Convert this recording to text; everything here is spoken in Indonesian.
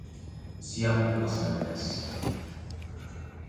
Siap lepas landas.